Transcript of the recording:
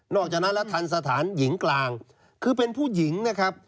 จากนั้นแล้วทันสถานหญิงกลางคือเป็นผู้หญิงนะครับ